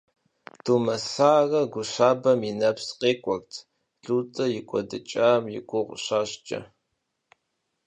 Думэсарэ гу щабэм и нэпс къекӀуэрт ЛутӀэ и кӀуэдыкӀам и гугъу щащӀкӀэ.